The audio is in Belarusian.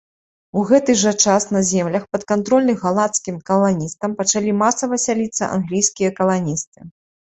У гэты жа час на землях, падкантрольных галандскім каланістам пачалі масава сяліцца англійскія каланісты.